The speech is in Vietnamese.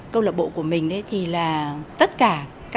câu lạc bộ của mình là tất cả